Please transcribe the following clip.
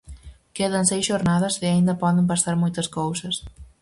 Quedan seis xornadas e aínda poden pasar moitas cousas.